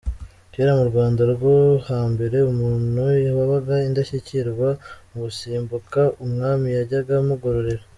Kera mu Rwanda rwo ha mbere umuntu wabaga indashyikirwa mu gusimbuka umwami yajyaga amugororera.